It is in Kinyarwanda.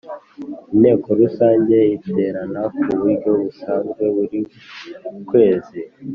Inteko rusange iterana ku buryo busanzwe buri kwezi